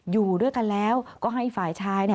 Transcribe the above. อยู่ด้วยกันแล้วก็ให้ฝ่ายชาย